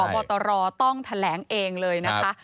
บอตรต้องแถลงเองเลยนะคะ